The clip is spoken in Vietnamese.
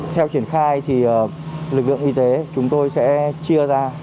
theo triển khai thì lực lượng y tế chúng tôi sẽ chia ra